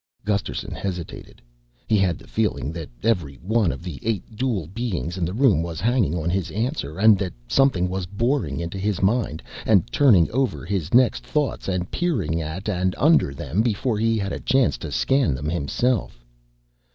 Gusterson hesitated. He had the feeling that every one of the eight dual beings in the room was hanging on his answer and that something was boring into his mind and turning over his next thoughts and peering at and under them before he had a chance to scan them himself.